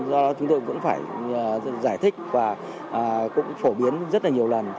do chúng tôi cũng phải giải thích và cũng phổ biến rất là nhiều lần